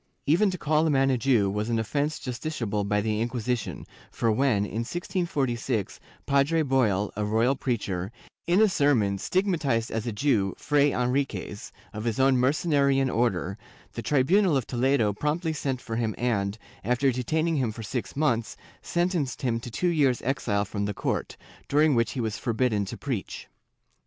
^ Even to call a man a Jew was an offence justiciable by the Inquisition, for when, in 1646, Padre Boil, a royal preacher, in a sermon stigmatized as a Jew Fray Enrlquez, of his own Mercenarian Order, the tribunal of Toledo promptly sent for him and, after detaining him for six months, sentenced him to two years' exile from the court, during which he was forbidden to preach.